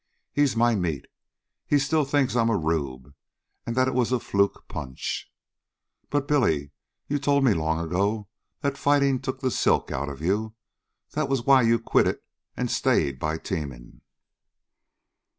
He's my meat. He still thinks I 'm a rube, an' that it was a fluke punch." "But, Billy, you told me long ago that fighting took the silk out of you. That was why you'd quit it and stayed by teaming."